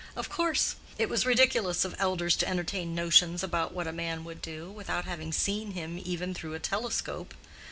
Of course! It was ridiculous of elders to entertain notions about what a man would do, without having seen him even through a telescope.